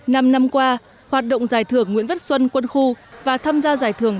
năm năm qua hoạt động giải thưởng nguyễn văn xuân quân khu và tham gia giải thưởng